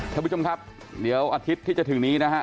ท่านผู้ชมครับเดี๋ยวอาทิตย์ที่จะถึงนี้นะฮะ